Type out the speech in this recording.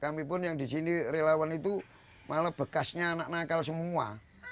kami pun yang di sini relawan itu malah bekasnya anak nakal semua